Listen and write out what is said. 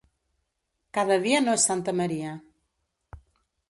Cada dia no és Santa Maria.